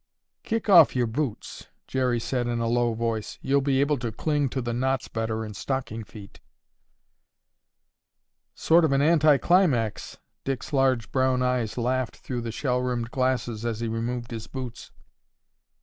"Kick off your boots," Jerry said in a low voice; "you'll be able to cling to the knots better in stocking feet." "Sort of an anti climax." Dick's large brown eyes laughed through the shell rimmed glasses as he removed his boots.